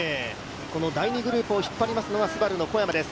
この第２グループを引っ張るのはＳＵＢＡＲＵの小山です。